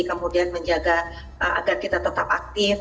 kemudian menjaga agar kita tetap aktif